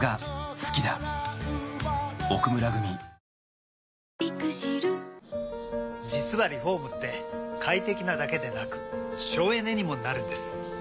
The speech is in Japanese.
この形はもしや実はリフォームって快適なだけでなく省エネにもなるんです。